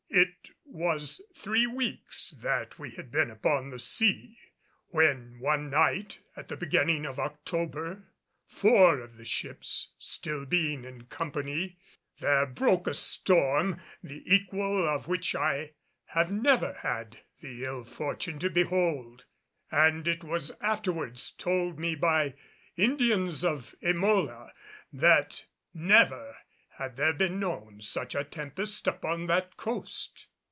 It was three weeks that we had been upon the sea, when one night, at the beginning of October, four of the ships still being in company, there broke a storm, the equal of which I have never had the ill fortune to behold. And it was afterwards told me by Indians of Emola that never had there been known such a tempest upon that coast.